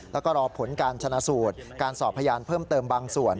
แล้วก็รอผลการชนะสูตรการสอบพยานเพิ่มเติมบางส่วน